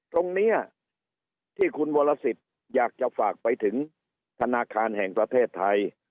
ตรงนี้ที่คุณวรสิทธิ์อยากจะฝากไปถึงธนาคารแห่งประเทศไทย